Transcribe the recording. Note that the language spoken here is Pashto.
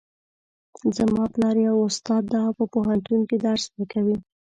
زما پلار یو استاد ده او په پوهنتون کې درس ورکوي